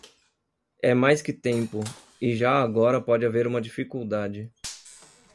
É mais que tempo, e já agora pode haver uma dificuldade.